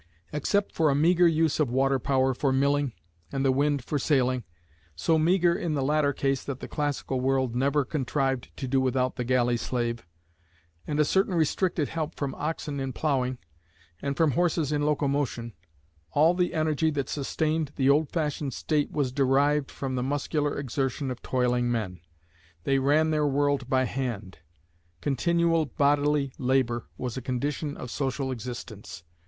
Except for a meagre use of water power for milling, and the wind for sailing so meagre in the latter case that the classical world never contrived to do without the galley slave and a certain restricted help from oxen in ploughing, and from horses in locomotion, all the energy that sustained the old fashioned State was derived from the muscular exertion of toiling men. They ran their world by hand. Continual bodily labour was a condition of social existence.